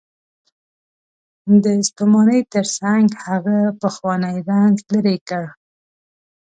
د ستومانۍ تر څنګ هغه پخوانی رنځ لرې کړ.